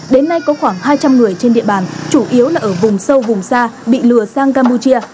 đến nay có khoảng hai trăm linh người trên địa bàn chủ yếu là ở vùng sâu vùng xa bị lừa sang campuchia